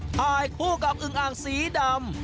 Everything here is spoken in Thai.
ถ่ายคู่กับอึงอ่างสีดำ